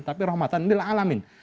tapi rahmatan lil'alamin